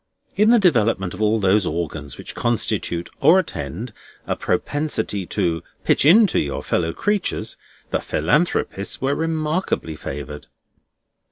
In the development of all those organs which constitute, or attend, a propensity to "pitch into" your fellow creatures, the Philanthropists were remarkably favoured.